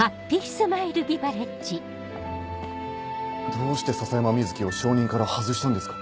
どうして篠山瑞生を証人から外したんですか？